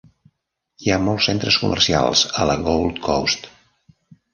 Hi ha molts centres comercials a la Gold Coast.